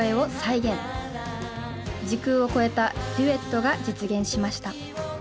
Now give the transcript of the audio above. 時空を超えたデュエットが実現しました。